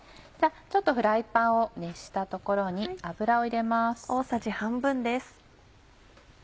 ちょっとフライパンを熱したところに油を入れます。